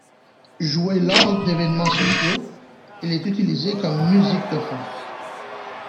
Jouée lors d'évènements sociaux, elle est utilisée comme musique de fond.